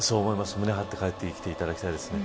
胸を張って帰って来ていただきたいですね。